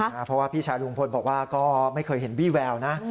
เพราะว่าพี่ชายลุงพลบอกว่าก็ไม่เคยเห็นวี่แววนะ